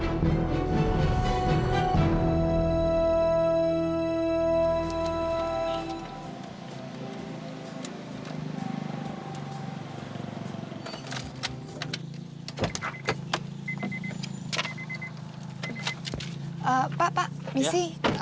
kebetulan tidak bersaing